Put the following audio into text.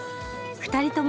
２人とも。